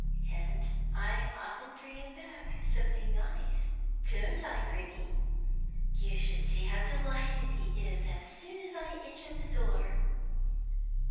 And I often bring him back something nice, don't I, Grimmy? You should see how delighted he is as soon as I enter the door."